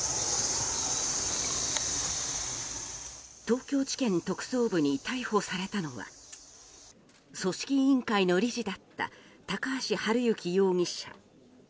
東京地検特捜部に逮捕されたのは組織委員会の理事だった高橋治之容疑者